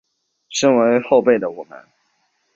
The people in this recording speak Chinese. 身为后辈的我们